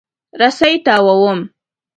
رسۍ تاووم.